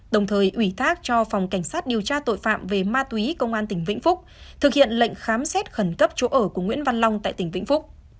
đồng thời ủy thác cho phòng cảnh sát điều tra tội phạm về ma túy công an tỉnh vĩnh phúc thực hiện lệnh khám xét khẩn cấp chỗ ở của nguyễn văn long tại tỉnh vĩnh phúc